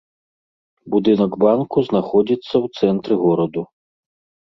Будынак банку знаходзіцца ў цэнтры гораду.